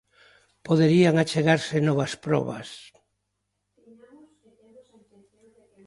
Poderían achegarse novas probas?